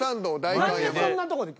何でそんなとこで。